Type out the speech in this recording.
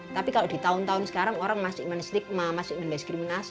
tapi kalau di tahun tahun sekarang orang masih menikmati stigma masih menikmati diskriminasi